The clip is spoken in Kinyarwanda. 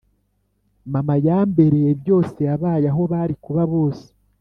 Mama yambereye byose yabaye aho bari kuba bose